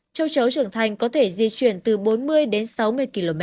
châu chấu trưởng thành có thể di chuyển từ bốn mươi đến sáu mươi km